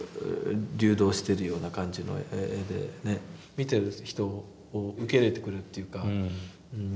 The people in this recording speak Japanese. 見てる人を受け入れてくれるっていうか。